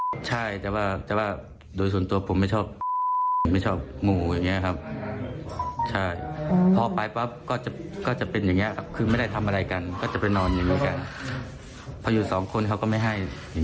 โอเคก็ตักไขให้เพื่อนคนนั้นเข้าไปเปิดห้องของเขาเอง